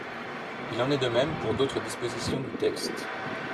Il en est de même pour d’autres dispositions du texte.